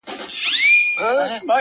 ه زړه مي په سينه كي ساته،